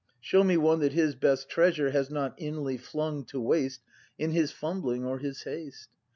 , Show me one that his best treasure Has not inly flung to waste In his fumbling, or his haste!